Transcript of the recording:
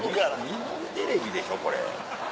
日本テレビでしょこれ。